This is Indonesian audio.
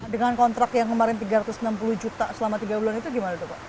dengan kontrak yang kemarin tiga ratus enam puluh juta selama tiga bulan itu gimana tuh pak